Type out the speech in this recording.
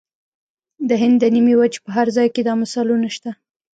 د هند د نیمې وچې په هر ځای کې دا مثالونه شته.